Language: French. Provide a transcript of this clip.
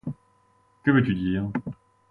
Que veux-tu dire